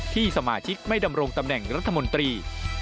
สมาชิกไม่ดำรงตำแหน่งรัฐมนตรี